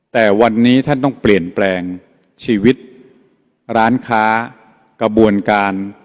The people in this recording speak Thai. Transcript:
แต่วันนี้ท่านต้องเปลี่ยนแปลงชีวิตร้านค้ากระบวนการ